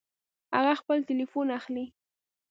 هغه خپل ټيليفون اخلي